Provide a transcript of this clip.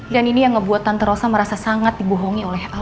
dan ini yang ngebuat tante rosa merasa sangat dibohongi oleh al